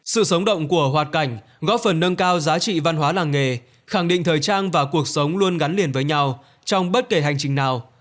sự sống động của hoạt cảnh góp phần nâng cao giá trị văn hóa làng nghề khẳng định thời trang và cuộc sống luôn gắn liền với nhau trong bất kể hành trình nào